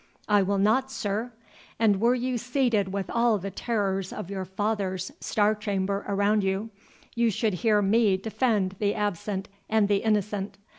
I will not, sir; and were you seated with all the terrors of your father's Star chamber around you, you should hear me defend the absent and the innocent.